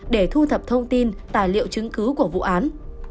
để thu thập thông tin tài liệu chứng cứ của vụ án